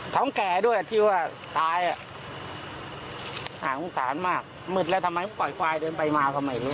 ขงงสานมากหมึดแล้วทำไมก็ปล่อยควายเดินไปมา